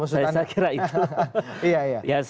betul saya kira itu